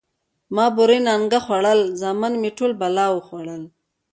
ـ ما بورې نانګه خوړل، زامن مې ټول بلا وخوړل.